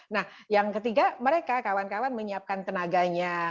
nah yang ketiga mereka kawan kawan menyiapkan tenaganya